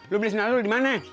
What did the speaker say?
lo beli sandal lo dimana